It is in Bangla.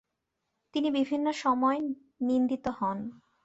তিনি বিভিন্ন সময় নিন্দিত হন।